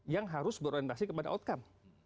yang harus berorientasi kepada outcome